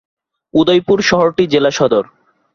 উদয়পুর শহরটি জেলা সদর।